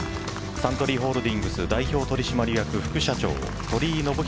サントリーホールディングス代表取締役副社長鳥井信宏